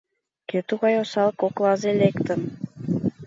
Кӧ тугай осал коклазе лектын?